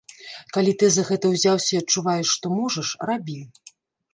Калі ты за гэта ўзяўся і адчуваеш, што можаш, рабі.